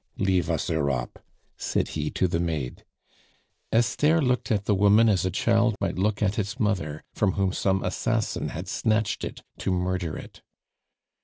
"Leave us, Europe," said he to the maid. Esther looked at the woman as a child might look at its mother, from whom some assassin had snatched it to murder it.